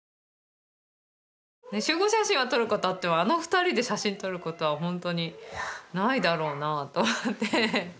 集合写真は撮ることあってもあの２人で写真撮ることはほんとにないだろうなあと思って。